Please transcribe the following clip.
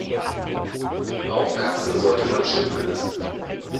Auch Katzen sollte man chippen lassen.